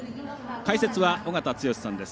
解説は尾方剛さんです。